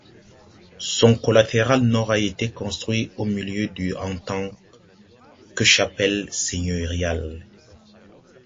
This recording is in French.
Son collatéral nord a été construit au milieu du en tant que chapelle seigneuriale.